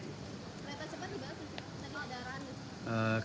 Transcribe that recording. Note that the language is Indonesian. kereta cepat dibahas di daerah daerah